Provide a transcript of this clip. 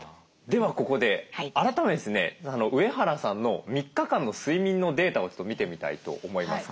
ではここで改めてですね上原さんの３日間の睡眠のデータをちょっと見てみたいと思います。